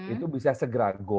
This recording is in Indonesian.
itu bisa segera goal